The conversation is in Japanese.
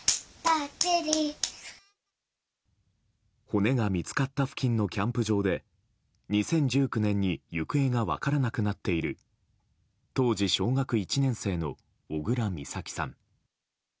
骨が見つかった付近のキャンプ場で２０１９年に行方が分からなくなっている当時、小学１年生の小倉美咲さん。